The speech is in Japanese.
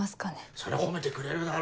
そりゃ褒めてくれるだろ。